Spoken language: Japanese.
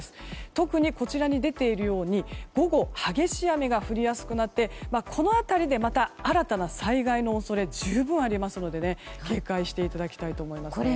特にこちらに出ているように午後激しい雨が降りやすくなってこの辺りで、また新たな災害の恐れが十分ありますので警戒していただきたいと思います。